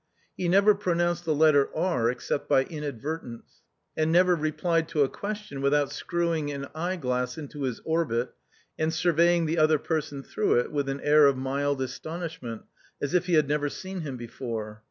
He never pro THE OUTCAST. 81 nounced the letter "r" except by inad vertence, and never replied to a question without screwing an eye glass into his orbit, and surveying the other person through it with an air of mild astonishment, as if he had never seen him before.